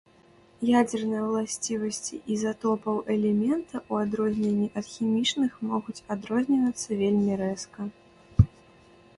Ядзерныя ўласцівасці ізатопаў элемента, у адрозненні ад хімічных, могуць адрознівацца вельмі рэзка.